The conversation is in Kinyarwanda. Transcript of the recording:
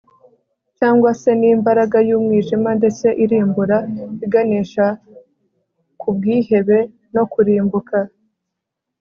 cyangwa se ni imbaraga y'umwijima ndetse irimbura iganisha ku bwihebe no kurimbuka